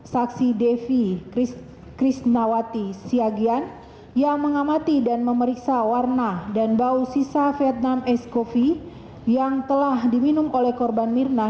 saksi devi krisnawati siagian yang mengamati dan memeriksa warna dan bau sisa vietnam ice coffee yang telah diminum oleh korban mirna